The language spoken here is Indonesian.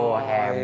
masiah lagi mati